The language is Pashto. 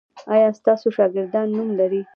ایا ستاسو شاګردان نوم لری؟